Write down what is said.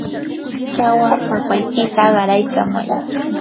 chawa papaykita qaraykamay.